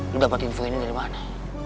lu dapat info ini dari mana